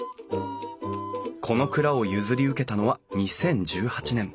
この蔵を譲り受けたのは２０１８年。